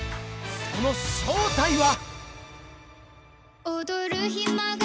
その正体は？